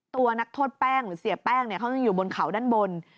ตัวนักโทษแป้งหรือเสียแป้งเขายังอยู่บนเขาด้านบน